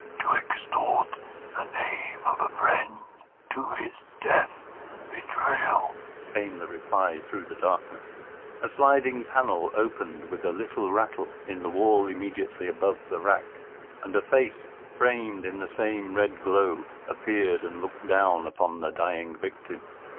"To extort the name of a friend, to his death and betrayal," came the reply through the darkness. A sliding panel opened with a little rattle in the wall immediately above the rack, and a face, framed in the same red glow, appeared and looked down upon the dying victim.